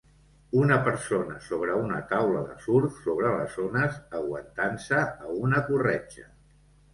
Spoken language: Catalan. Una persona sobre una taula de surf sobre les ones, aguantant-se a una corretja.